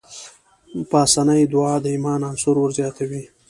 پاسنۍ دعا د ايمان عنصر ورزياتوي.